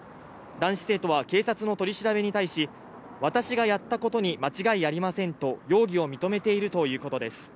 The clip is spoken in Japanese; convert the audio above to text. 男子生徒は警察の取り調べに対し、私がやったことに間違いありませんと容疑を認めているということです。